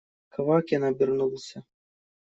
Квакин обернулся.